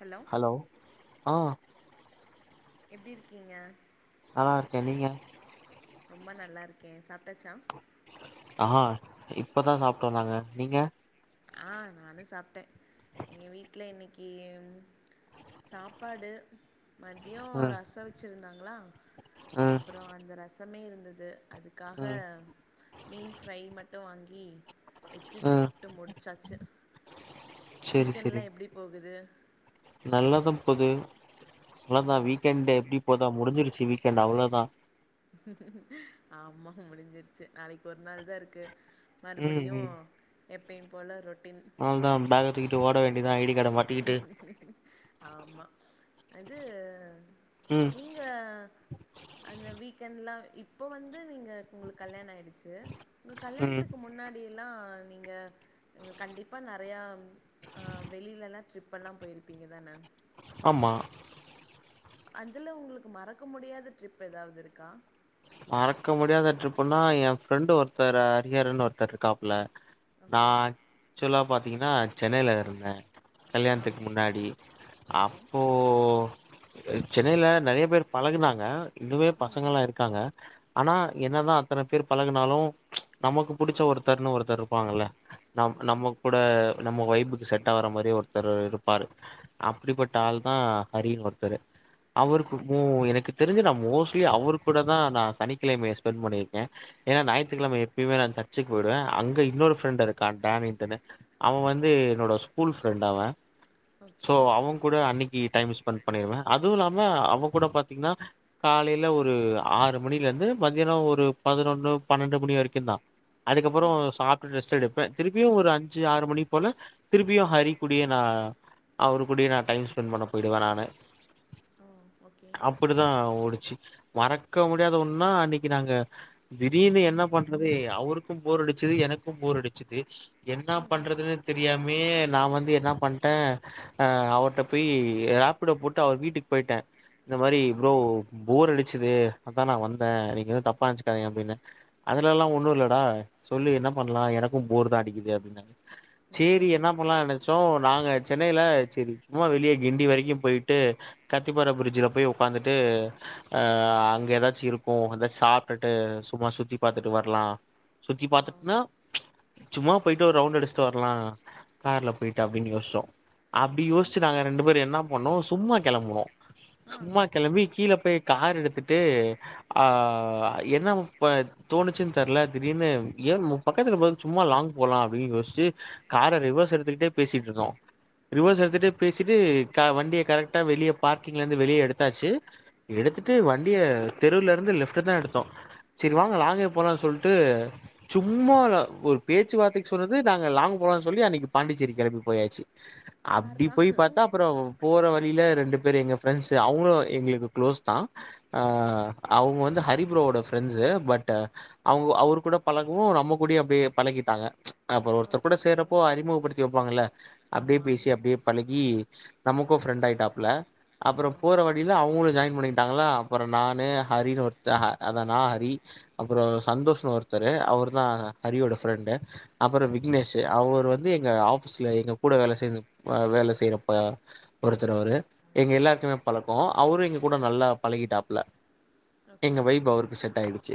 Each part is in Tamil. ஹலோ ஹலோ ஆ எப்டி இருக்கீங்க நல்லா இருக்கே நீங்க ரொம்ப நல்லா இருக்கே சாப்டாச்சா ஆ இப்பதா சாப்டோ நாங்க நீங்க ஆ நானு சாப்டே எங்க வீட்ல இன்னைக்கி சாப்பாடு மதியோ ம் ரசோ வச்சிருந்தாங்களா ம் தா அந்த ரசமே இருந்தது அதுக்காக ம் மீன் ஃப்ரை மட்டு வாங்கி வெச்சு ம் சாப் ட்டு முடிச்சாச்சு சேரி சேரி வீக்கெண்ட்லா எப்டி போகுது நல்லாதா போது அவ்ளோதா வீக்கெண்டு எப்டி போதா முடிஞ்சிருச்சு வீக் கெண்ட் அவ்ளோதா ஆமா முடிஞ்சிருச்சு நாளைக்கு ஒரு நாள் தா இருக்கு ம் மறுபடியு ம் எப்பயு போல ரொட்டின் அவ்ளோதா பேக்க தூக்கிட்டு ஓட வேண்டிதா ஐடி ஆமா அது ம் நீங் ஆ அந்த வீக்கெண்ட்லா இப்போ வந்து நீங்க உங்களுக்கு கல்யாணம் ஆயிடுச்சு உங்க ம் கல்யாணத்துக்கு முன்னாடியெல்லா நீங்க கண்டிப்பாக நெறையா ஆ வெளில்லலா ட்ரிப்பெல்லா போயிருப்பீங்க தாண ஆமா அதுல உங்களுக்கு மறக்க முடியாத ட்ரிப் ஏதாவது இருக்கா மறக்க முடியாத ட்ரிப்புன்னா ஏ ஃப்ரெண்டு ஒருத்தர் அரியருன்னு ஒருத்தர் இருக்காப்புல நா ஓகே ஆக்சுவலா பாத்தீங்கனா சென்னனல இருந்தே ஆ கல்யாணத்துக்கு முன்னாடி ஓகே அப்போ இப்போ சென்னைல நெறைய பேர் பழகுனாங்க இன்னுமே பசங்கள்லா இருக்காங்க ஆனா என்னதா அத்தன பேர் பழகுனாலு நமக்கு புடிச்ச ஒருத்தர்ன்னு ஒருத்தர் இருப்பாங்கல்ல நம் ஆமா நம்ம கூட நம்ம வைப்புக்கு செட் ஆகற மாதிரி ஒருத்தர் இருப்பாரு அப்டிப்பட்ட ஆள் தா ஹரினு ஒருத்தரு ஓகே அவருக்குமோ எனக்கு தெரிஞ்சு நா மோஸ்ட்லி அவரு கூட தா நா சனிக்கிழமே ஸ்பெண்ட் பண்ணிருக்கே ஏ ஞாயித்துக்கெழம எப்பயுமே நா சர்சுக்கு போயிருவே அங்க இன்னொரு ஃப்ரெண்டு இருக்கான் டேமிட்ன்னு அவன் வந்து என்னோட ஸ்கூல் ஃப்ரெண்ட் அவன் ஓகே சோ அவங் கூட அன்னைக்கு டைம் ஸ்பெண்ட் பண்ணிருவே அதுவு இல்லாம அவன் கூட பாத்தீங்கனா காலைல ஒரு ஆறு மணில இருந்து மதியானோ ஒரு பதினொன்னு பன்னெண்டு மணி வரைக்கு தா அதுக்கப்புறோ ஆ சாப் பிட்டு ரெஸ்ட் எடுப்பே திருப்பியு ஒரு அஞ்சு ஆறு மணி போல திருப்பியு ஹரி கூடியே நா அவரு கூடயே நா டைம் ஸ்பெண் பண்ண போயிடுவே நானு ஆ ஓகே அப்படித்தா ஓடுச்சு மறக்க முடியாத ஒன்னா அன்னைக்கு நாங்க திடீர்னு என்ன பண்றது அவருக்கு போர் அடிச்சது எனக்கு போர் அடிச்சது என்ன பண்றதுன்னே தெரியாமே நா வந்து என்ன பண்ணிட்டே ஆ அவ்ட போய் ராப்பிடோ போட்டு அவர் வீட்டுக்கு போயிட்டே இந்த மாறி ஆ ப்ரோ போர் அடிச்சுது அதா நா வந்தே நீங்க எது தப்பா நினைச்சுக்காதங்க அப்படின்னே அதுல எல்லா ஒன்னு இல்லடா சொல்லி என்ன பண்ணலா எனக்கு போர் தா அடிக்குது அப்படின்னாங்க ஓ சேரி என்ன பண்ணலா எனக்கு சோ நாங்க சென்னையில சேரி சும்மா வெளிய கிண்டி வரைக்கு போயிட்டு கத்திப்பற பிரிட்ஜ்ல போய் உட்காந்துட்டு அ அங்க ஏதாச்சு இருக்கு அத சாப்பிட்டுட்டு சும்மா சுத்தி பாத்துட்டு வரலா சுத்தி ஓ பாத்தட்டுன்னா சும்மா போயிட்டு ஒரு ரவுண்ட் அடிச்சுட்டு வரலா கார்ல போயட்டு அப்படின்னு யோசிச்சோ அப்டி ஓகே யோசிச்சு நாங்க ரெண்டு பேர் என்ன பண்ணோ சும்மா கிளம்பனோ ஆ சும்மா கிளம்பி கீழே போய் கார் எடுத்துட்டு டேய் ஆ என்ன முப்ப தோணுச்சுன்னு தெர்ல திடீனு ஏன் பக்கத்துல போ சும்மா லாங் போகலா அப்டின்னு யோசிச்சு கார ரிவர்ஸ் எடுத்துக்கிட்டே பேசிட்டு இருந்தோ ரிவர்ஸ் எடுத்துகிட்டே பேசி ச்சிட்டு வண்டிய கரெக்டா வெளியே பார்க்கிங்ல இருந்து வெளியே எடுத்தாச்சு எடுத்துட்டு வண் டிய தெருல இருந்து லெப்ட் தா எடுத்தோ சரி வாங்க லாங்கே போலானு சொல்லிட்டு சும்மா ஒரு பேச்சுவார்த்தைக்கு சொன்னது நாங்க லாங் போலானு சொல்லி அன்னைக்கு பாண்டிச்சேரி கிளம்பி போயாச்சு அப்டி போய் பார்றா பாத்தா அப்றோ போற வழியில ரெண்டு பேர் எங்க ஃப்ரெண்ட்ஸ் அவங்களு எங்களுக்கு கு்ளோஸ் தா அ ஓகே அவுங்க வந்து ஹரிபரோவோட ஃப்ரெண்ட்ஸ் பட் அவுங்க அவரு கூட பழகவு நம்ம கூட அப்டியே பழகிட்டாங்க அப்புறோ ஒருத்தர் ஓகே கூட ஓகே சேறப்போ அறிமுகப்படுத்தி வைப்பாங்கல்ல அப்டியே ஆமா பேசி அப்டியே பழகி நமக்கு ஃப்ரெண்ட் ஆயிட்டாப்ல ஆ அப்றோபோற வழியில அவங்களு ஜாயின் பண்ணிட்டாங்களா அப்றோநானு ஹரின்னு ஒருத்த அதா நா ஹரி அப்புறோ சந்தோஷ்னு ஒருத்தரு அவர்தா ஹரியோட ஃப்ரெண்டு அப்றோ ஓகே விக்னேஷ் அவர் வந்து எங்க ஆபீஸ்ல எங்க கூட வேலை செய் வேலை செய்யறப்ப ஒருத்தர் அவரு எங்க எல்லாருக்குமே பழக்கோ அவரு இங்க கூட நல்லா பழகிட்டா ஓகே எங்க ஓகே வைப் அவருக்கு செட் ஆயிடுச்சு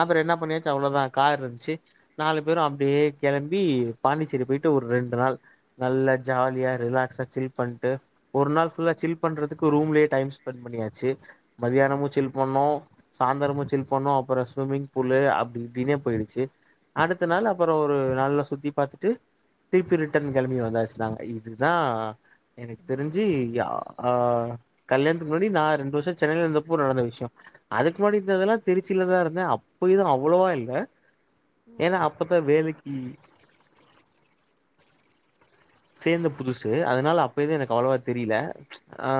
அப்புறோ என்ன பண்ணியாச்சு அவ்வளோதா கார் இருந்துச்சு நாலு பேரு அப்படியே கிளம்பி பாண்டிச்சேரி போயிட்டு ஒரு ரெண்டு நாள் நல்லா ஜாலியா ரிலாக்ஸா சில் பண்ணிட்டு ஒரு நாள் ஓ ஃபுல்லா சில் பண்றதுக்கு ரூம்லயே டைம் ஸ்பெண்ட் பண்ணியாச்சு ஓகே மத்தானமு சில் பண்ணோ சாயந்திரமு சில் பண்ணோ அப்றோ ஸ்விமிங் பூலு அப்படி இப்டின்னே போயிடுச்சு அடுத்த நாள் அப்றோ ஒரு நாள்ல சுத்தி பாத்துட்டு திருப்பி ரிட்டன் கிளம்பிய வந்தாச்சுன்னாங்க இதுதா எனக்கு தெரிஞ்சு ஆ கல்யாணத்துக்கு முன்னாடி நா ரெண்டு வருஷ சென்னையில இருந்த அப்போ நடந்த விஷயோ அதுக்கு முன்னாடி இந்த இதெல்லா திருச்சிலதா இருந்தே அப்ப இது அவ்வளோவா இல்ல ஏன்னா அப்பதா வேலைக்கு சேந்த புதுசு அதுனால அப்ப எது எனக்கு அவ்வளோவா தெரில ஆ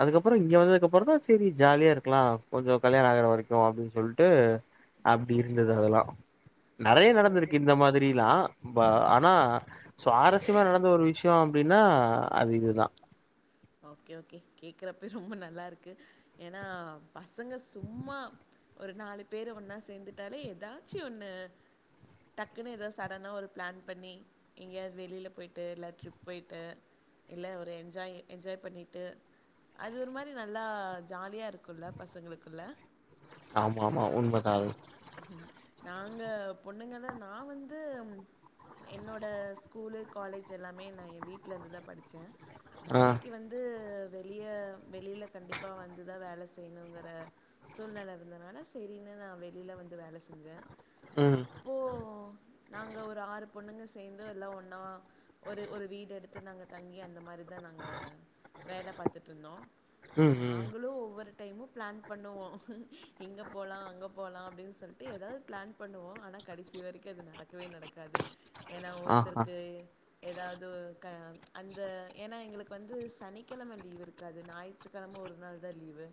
அதுக்கப்புறோ இங்க வந்ததுக்கு அப்றோ தா சரி ஜாலியா இருக்கலா கொஞ்சோ கல்யாணோ ஆகுர வரைக்கு அப்படின்னு சொல்லிட்டு அப்டி இருந்தது அதெல்லா நெறைய ஓகே ஓகே நடந்திருக்கு இந்த மாதிரிலா ஆனா சுவாரசி ச்சியமா நடந்த ஒரு விஷயோ அப்படின்னா அது இதுதா ஓகே ஓகே கேக்குறப்ப ரொம்ப நல்லா இருக்கு ஏன்னா பசங்க சும்மா ஒரு நாலு பேரு ஒன்னா சேந்துட்டாலே ஏதாச்சு ஒண்ணு டக்குனு ஏதோ சடனா ஒரு பிளான் பண்ணி எங்கேயாவது வெளில போய்ட்டு இல்ல ட்ரிப் போயிட்டு இல்ல ஒரு என்ஜாய் என்ஜாய் பண்ணிட்டு அது ஒரு மாரி நல்லா ஜாலியா இருக்குல்ல பசங்களுக்குள்ள ஆமா ஆமா உண்மதா அது ம் நாங்க பொண்ணுங்கத நா வந்து என்னோட ஸ்கூலு காலேஜ் எல்லாமே நா எ வீட்ல இருந்துதா படிச்சே ஆ வேலைக் கு வெளிய வெளியில கண்டிப்பா வந்துதா வேல செய்ணுங்கற சூழ்நெல இருந்ததுனால சரினு நா வெளியில வந்து வேல செஞ்சே ம் அப் இப்போ நாங்க ஒரு ஆறு பொண்ணுங்க சேர்ந்து எல்லா ஒன்னவா ஒரு ஒரு வீடு எடுத்து நாங்க தங்கி அந்த மாறி தா நாங்க வேல பாத்துட்டுருந்தோ ம் ம் நாங்களு ஒவ்வொரு டைமு பிளான் பண்ணுவோ இங்க போலா அங்க போலா அப்டின் சொல்ட்டு ஏதாது பிளான் பண்ணுவோ ஆனா கடைசி வரைக்கு அது நடக்கவே நடக்காது ஏனா ஆஹா ஒருத்தருக்கு ஏதாவது க அந்த ஏனா எங்ளுக்கு வந் து சனிக்கிழம லீவ் இருக்காது ஞாயிற்றுக்கிழம ஒரு நாள் தா லீவு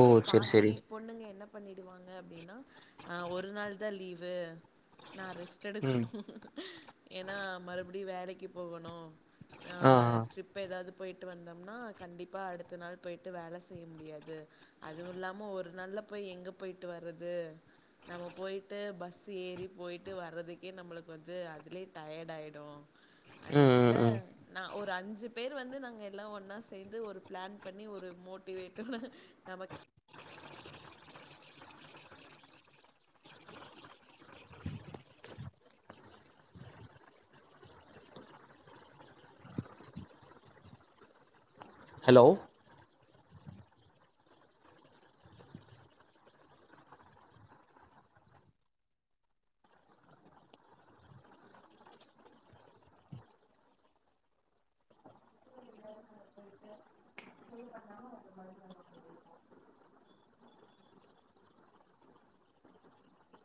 ஓ செரி பாதி செரி பொண்ணுங்க என்ன பண்ணிடுவாங்க அப்டின்னா அ ஒரு நாள் தா லீவு நா ரெஸ்ட் ம் எடுக்கணு ஏனா மறுபடியு வேலைக்கு போகணு ஆ நாம ஆ ட்ரிப் இப்ப எதாது போய்ட்டு வந்தோம்னா கண்டிப்பா அடுத்த நாள் போய்ட்டு வேல செய்ய முடியாது அதுவுல்லாமோ ஒரு நாள்ல போய் எங்க போயிட்டு வர்றது நம்ம போய்ட்டு பஸ்ஸு ஏறி போயிட்டு வர்றதுக்கே நம்ளுக்கு வந்து அதுலே டயர்ட் ஆய்டு ம் அதனால ம் ம் நா ஒரு அஞ்சு பேர் வந்து நாங்க எல்லா ஒன்னா சேந்து ஒரு பிளான் பண்ணி ஒரு மோட்டிவேட்டோட நாம ஹலோ